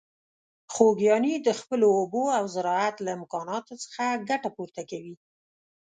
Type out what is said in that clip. خوږیاڼي د خپلو اوبو او زراعت له امکاناتو څخه ګټه پورته کوي.